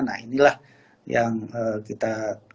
nah inilah yang kita